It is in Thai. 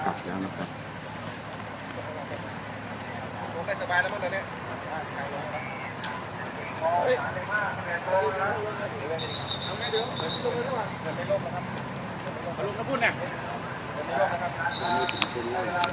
สวัสดีครับทุกคน